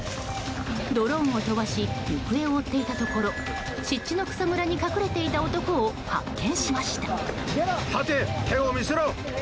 ドローンを飛ばし行方を追っていたところ湿地の草むらに隠れていた男を発見しました。